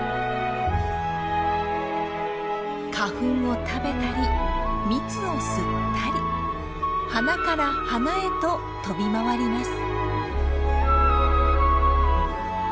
花粉を食べたり蜜を吸ったり花から花へと飛び回ります。